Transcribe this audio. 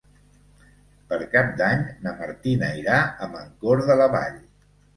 Per Cap d'Any na Martina irà a Mancor de la Vall.